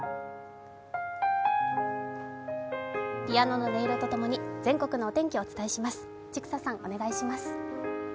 ピアノの音色と共に全国のお天気をお伝えします。